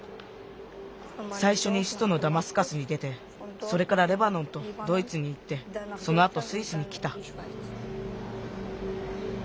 さいしょにしゅとのダマスカスに出てそれからレバノンとドイツにいってそのあとスイスにきた。